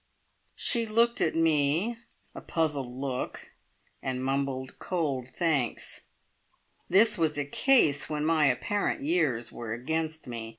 She looked at me a puzzled look and mumbled cold thanks. This was a case when my apparent years were against me.